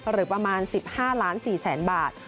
หรือประมาณ๑๕ล้าน๔แสนบาท